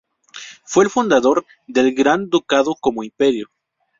Fue el fundador del Gran Ducado como Imperio.